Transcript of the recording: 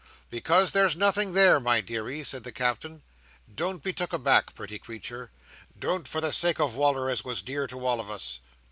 "Because there's nothing there, my deary," said the Captain. "Don't be took aback, pretty creetur! Don't, for the sake of Wal"r, as was dear to all on us!